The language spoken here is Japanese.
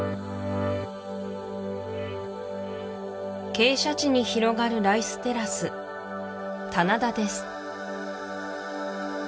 傾斜地に広がるライステラス棚田です